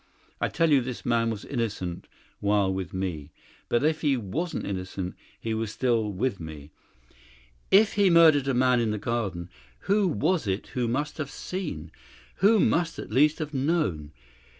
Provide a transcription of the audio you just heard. I tell you this man was innocent while with me. But if he wasn't innocent, he was still with me. If he murdered a man in the garden, who was it who must have seen who must at least have known?